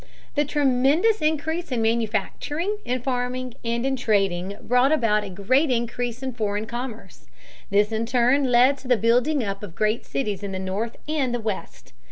The tremendous increase in manufacturing, in farming, and in trading brought about a great increase in foreign commerce. This in turn led to the building up of great cities in the North and the West.